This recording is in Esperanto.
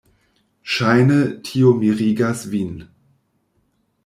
Ŝajne tio mirigas vin.